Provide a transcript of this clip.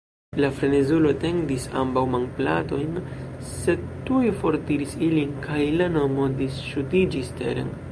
La frenezulo etendis ambaŭ manplatojn, sed tuj fortiris ilin, kaj la mono disŝutiĝis teren.